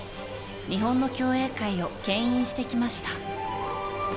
日本の競泳界を牽引してきました。